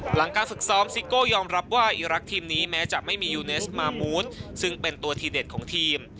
หลังการฝึกซ้อมซิโก้ยอมรับว่าอีรักษ์ทีมนี้แม้จะไม่มียูเนสมามูสซึ่งเป็นตัวทีเด็ดของทีม